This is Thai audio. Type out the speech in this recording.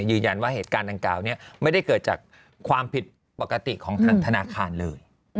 ยืนยันว่าเหตุการณ์ดังกล่าวนี้ไม่ได้เกิดจากความผิดปกติของทางธนาคารเลย